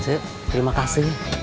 cik terima kasih